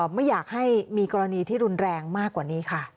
ไม่อยากให้มีกรณีที่รุนแรงมากกว่านี้ค่ะ